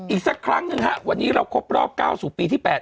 อีกสักครั้งหนึ่งฮะวันนี้เราครบรอบ๙สู่ปีที่๘